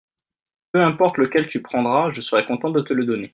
Peu importe lequel tu prendras je serai content de te le donner.